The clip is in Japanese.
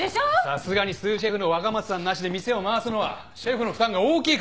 さすがにスーシェフの若松さんなしで店を回すのはシェフの負担が大きいかと。